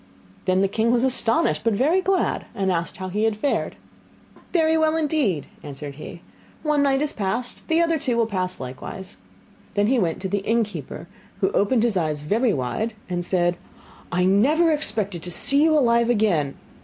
Then the king was astonished, but very glad, and asked how he had fared. 'Very well indeed,' answered he; 'one night is past, the two others will pass likewise.' Then he went to the innkeeper, who opened his eyes very wide, and said: 'I never expected to see you alive again!